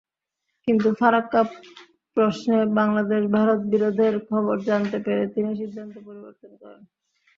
কিন্তু ফারাক্কা প্রশ্নে বাংলাদেশ-ভারত বিরোধের খবর জানতে পেরে তিনি সিদ্ধান্ত পরিবর্তন করেন।